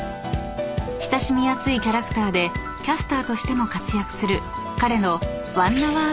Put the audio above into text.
［親しみやすいキャラクターでキャスターとしても活躍する彼の］